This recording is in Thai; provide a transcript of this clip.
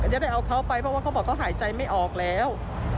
จะได้เอาเขาไปเพราะว่าเขาบอกเขาหายใจไม่ออกแล้ว